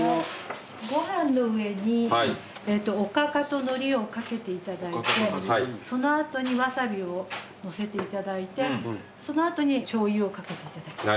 ご飯の上におかかとのりを掛けていただいてその後にわさびを載せていただいてその後にしょうゆを掛けていただきたい。